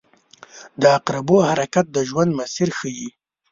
• د عقربو حرکت د ژوند مسیر ښيي.